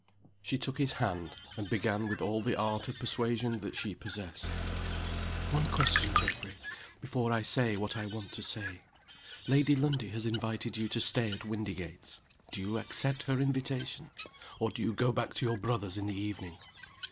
SHE took his hand, and began with all the art of persuasion that she possessed. "One question, Geoffrey, before I say what I want to say. Lady Lundie has invited you to stay at Windygates. Do you accept her invitation? or do you go back to your brother's in the evening?"